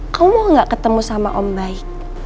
kau mau nggak ketemu sama om baik